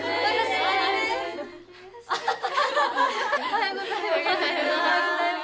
おはようございます。